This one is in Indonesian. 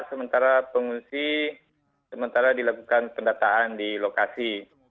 sementara pengungsi sementara dilakukan pendataan di lokasi